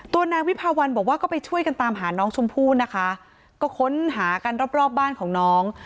นางวิภาวันบอกว่าก็ไปช่วยกันตามหาน้องชมพู่นะคะก็ค้นหากันรอบรอบบ้านของน้อง